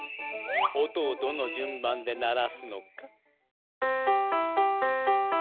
音をどの順番で鳴らすのか。